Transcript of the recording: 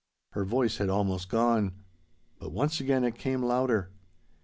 Her voice had almost gone. But once again it came louder.